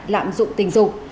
lạm dụng tình dục